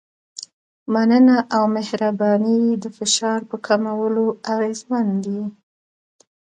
مننه او مهرباني د فشار په کمولو اغېزمن دي.